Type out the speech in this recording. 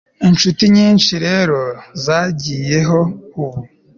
inshuti nyinshi rero zagiyeho ubu